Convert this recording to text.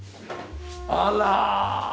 あら！